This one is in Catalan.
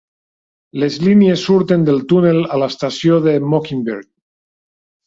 Les línies surten del túnel a l'estació de Mockingbird.